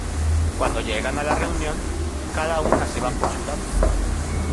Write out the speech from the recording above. Cuando llegan a la reunión, cada una se va por su lado.